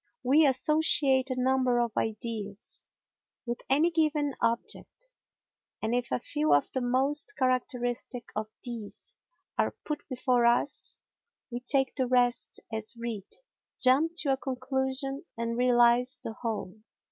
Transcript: We associate a number of ideas with any given object, and if a few of the most characteristic of these are put before us we take the rest as read, jump to a conclusion and realise the whole.